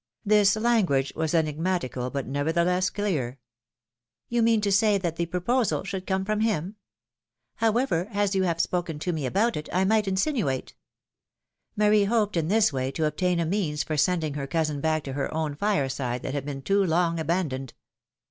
This language was enigmatical but nevertheless clear. You mean to say that the proposal should come from him? However, as you have spoken to me about it, I might insinuate —" Marie hoped in this way to obtain a means for sending her cousin back to her own fireside that had been too long abandoned.